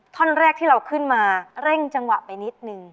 ท่อนแรกที่เราขึ้นมาเร่งจังหวะไปนิดนึง